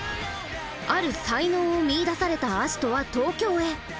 ある才能を見いだされた葦人は東京へ。